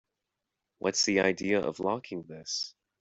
What's the idea of locking this?